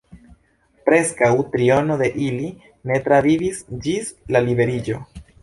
Preskaŭ triono de ili ne travivis ĝis la liberiĝo.